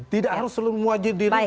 tidak harus selalu mewajib diri